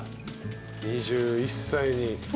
２１歳に。